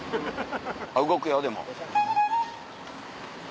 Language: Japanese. あっ動くよでも。